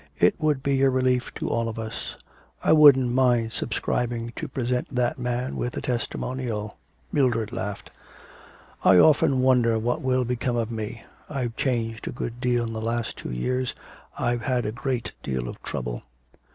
It would be a relief to all of us. I wouldn't mind subscribing to present that man with a testimonial.' Mildred laughed. 'I often wonder what will become of me. I've changed a good deal in the last two years. I've had a great deal of trouble.'